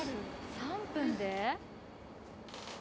３分で？